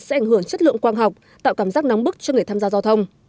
sẽ ảnh hưởng chất lượng quang học tạo cảm giác nóng bức cho người tham gia giao thông